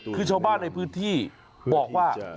คือชาวบ้านในพื้นที่บอกว่า